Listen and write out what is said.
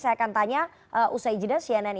saya akan tanya usai jedes cnn indonesia